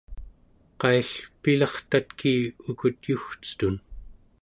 qaill’ pilartatki ukut yugcetun?